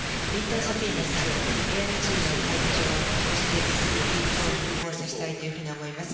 ソフィーナさんＡＩＧの会長そして、ＣＥＯに感謝したいと思います。